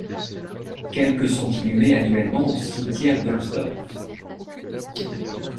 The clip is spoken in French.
Quelque sont inhumées annuellement au cimetière d'Ohlsdorf.